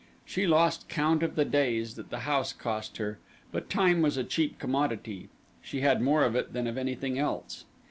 She lost count of the days that the house cost her; but time was a cheap commodity she had more of it than of anything else.